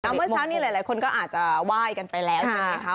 เมื่อเช้านี้หลายคนก็อาจจะไหว้กันไปแล้วใช่ไหมคะ